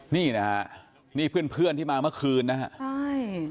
นี่นะครับนี่เพื่อนที่มาเมื่อคืนนะครับ